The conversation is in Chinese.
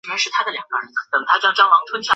圣赖格勒。